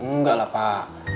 enggak lah pak